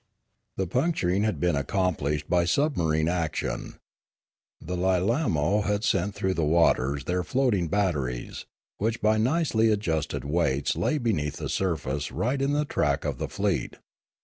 The puncturing had been accomplished by submarine action. The Lilaino had sent through the waters their floating batteries, which by nicely adjusted weights lay beneath the surface right on the track of the fleet.